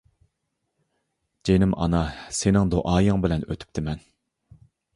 جېنىم ئانا، سېنىڭ دۇئايىڭ بىلەن ئۆتۈپتىمەن!